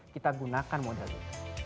kita gunakan modal itu